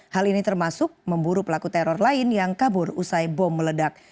hal ini termasuk memburu pelaku teror lain yang kabur usai bom meledak